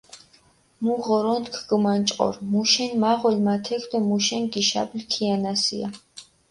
მუ ღორონთქ გჷმანჭყორ, მუშენ მაღოლ მა ექ დო მუშენ გიშაბლი ქიანასია.